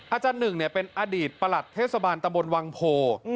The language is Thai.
อาจารย์หนึ่งเป็นอดีตประหลัดเทศบาลตะบนวังโพ